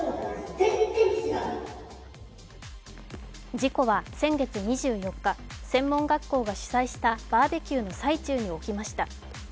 事故は先月２４日、専門学校が主催したバーベキューの最中に起きました。